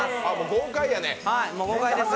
豪快やね。